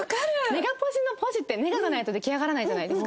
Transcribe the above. ネガポジのポジってネガがないと出来上がらないじゃないですか。